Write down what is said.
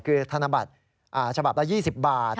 คือธนบัตรฉบับละ๒๐บาท